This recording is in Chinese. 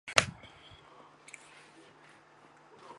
小籽口药花为龙胆科口药花属下的一个种。